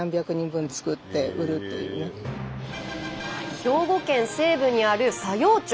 兵庫県西部にある佐用町。